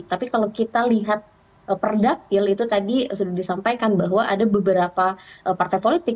tapi kalau kita lihat perdapil itu tadi sudah disampaikan bahwa ada beberapa partai politik